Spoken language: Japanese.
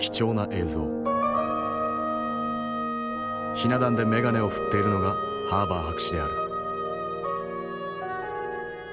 ひな壇でメガネを振っているのがハーバー博士である。